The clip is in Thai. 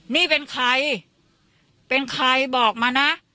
นี่เป็นใครเป็นใครบอกมานะ